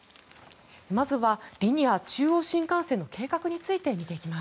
まずはリニア中央新幹線の計画について見ていきます。